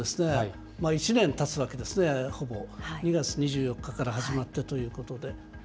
１年たつわけですね、ほぼ、２月２４日から始まったということで。